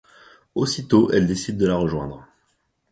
Aussitôt elle décide de la rejoindre.